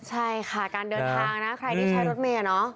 ใช่ค่ะการเดินทางนะใครที่ใช้รถเมย์